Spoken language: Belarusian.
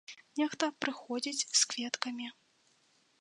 Нехта прыходзіць з кветкамі.